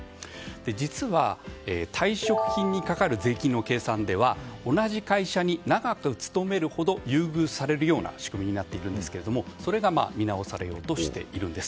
実は退職金にかかる税金の計算では同じ会社に長く勤めるほど優遇されるような仕組みになっているんですがそれが見直されようとしているんです。